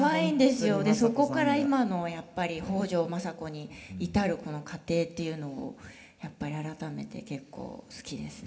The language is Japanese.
そこから今のやっぱり北条政子に至るこの過程っていうのをやっぱり改めて結構好きですね